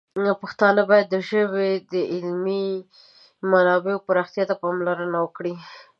پښتانه باید د ژبې د علمي منابعو پراختیا ته پاملرنه وکړي.